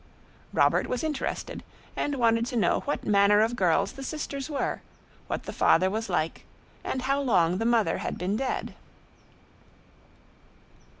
Robert was interested, and wanted to know what manner of girls the sisters were, what the father was like, and how long the mother had been dead.